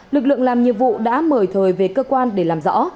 lực lượng làm nhiệm vụ đã mời thời về cơ quan để làm rõ